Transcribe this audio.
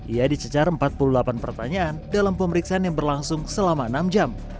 ia dicecar empat puluh delapan pertanyaan dalam pemeriksaan yang berlangsung selama enam jam